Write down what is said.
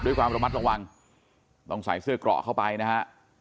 ด้วยความระมัดระวังต้องใส่เสื้อเกราะเข้าไปนะฮะ